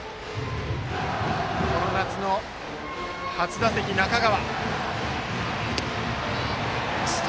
この夏の初打席、中川。